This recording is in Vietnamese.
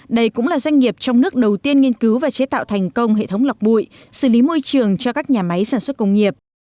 đây cũng là doanh nghiệp trong nước đầu tiên nghiên cứu và chế tạo thành công hệ thống lọc bụi xử lý môi trường cho các nhà máy sản xuất công nghiệp